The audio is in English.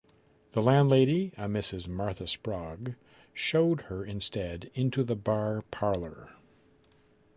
The landlady, a Mrs Martha Sprague, showed her instead into the bar parlour.